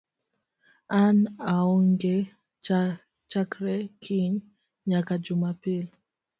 An aonge chakre kiny nyaka Jumapil